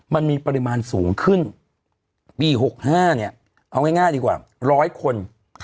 มันมีปริมาณสูงขึ้นปีหกห้าเนี้ยเอาง่ายง่ายดีกว่าร้อยคน